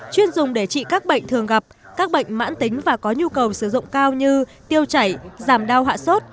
chuyên dùng để trị các bệnh thường gặp các bệnh mãn tính và có nhu cầu sử dụng cao như tiêu chảy giảm đau hạ sốt